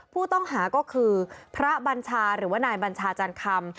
ผู้ต้องหาก็คือพระบัญชาหรือว่านายบัญชาจันคำ